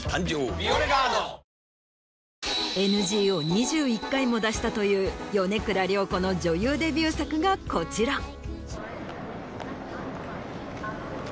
ＮＧを２１回も出したという米倉涼子の女優デビュー作がこちら。